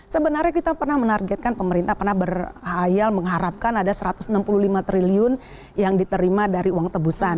sebenarnya kita pernah menargetkan pemerintah pernah berhayal mengharapkan ada satu ratus enam puluh lima triliun yang diterima dari uang tebusan